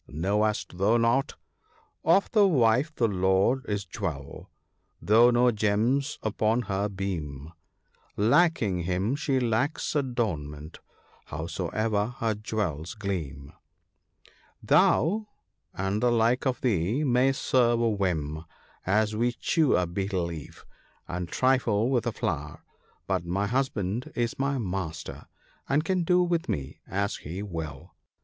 Knowest thou not —" Of the wife the lord is jewel, though no gems upon her beam ; Lacking him, she lacks adornment, howsoe'er her jewels gleam ?" Thou, and the like of thee, may serve a whim, as we chew a betel leaf (* 3 ) and trifle with a flower ; but my husband is my master, and can do with me as he will.